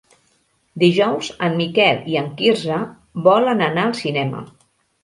Dijous en Miquel i en Quirze volen anar al cinema.